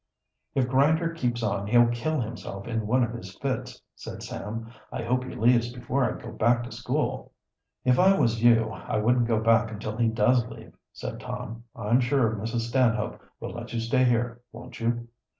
"If Grinder keeps on he'll kill himself in one of his fits," said Sam. "I hope he leaves before I go back to school." "If I was you, I wouldn't go back until he does leave," said Tom. "I'm sure Mrs. Stanhope will let you stay here; won't you?"